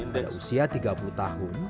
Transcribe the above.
pada usia tiga puluh tahun